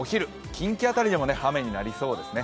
近畿辺りでも雨になりそうですね。